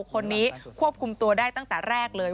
คนนี้ควบคุมตัวได้ตั้งแต่แรกเลย